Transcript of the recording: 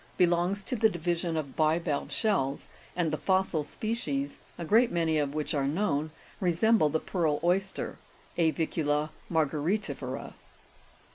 63) belongs to the division of bivalve shells, and the fossil species, a great many of which are known, resemble the pearl oyster (A'vicula Margaritifera).